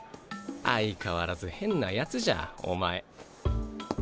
相変わらず変なやつじゃお前。